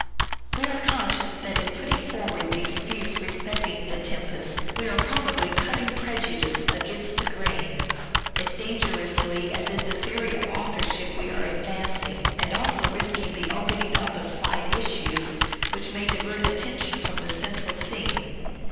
We are conscious that in putting forward these views respecting " The Tempest," we are probably " cutting prejudice against the grain " as dangerously as in the theory of authorship we are advancing, and also risking the opening up of side issues which may divert attention from the central theme.